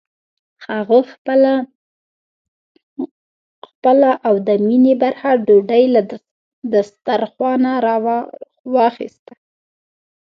هغه خپله او د مينې برخه ډوډۍ له دسترخوانه واخيسته.